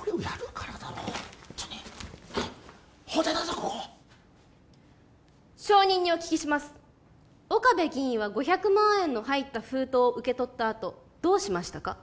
ここ証人にお聞きします岡部議員は５００万円の入った封筒を受け取ったあとどうしましたか？